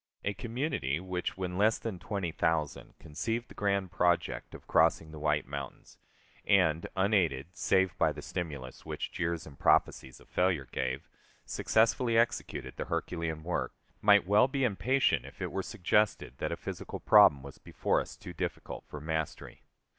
A community which, when less than twenty thousand, conceived the grand project of crossing the White Mountains, and unaided, save by the stimulus which jeers and prophecies of failure gave, successfully executed the herculean work, might well be impatient if it were suggested that a physical problem was before us too difficult for mastery.